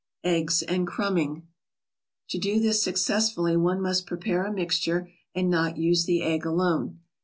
EGGS AND CRUMBING To do this successfully one must prepare a mixture, and not use the egg alone.